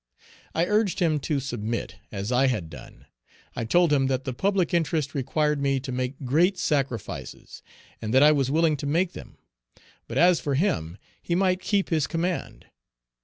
I urged him to submit, as I had done; I told him that the public interest required me to make great sacrifices, and that I was willing to make them; but as for him, he might keep his command.